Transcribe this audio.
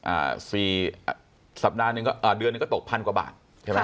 อ่าสี่สัปดาห์หนึ่งก็อ่าเดือนหนึ่งก็ตกพันกว่าบาทใช่ไหม